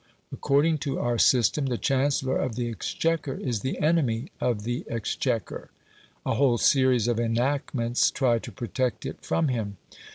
According to our system the Chancellor of the Exchequer is the enemy of the Exchequer; a whole series of enactments try to protect it from him.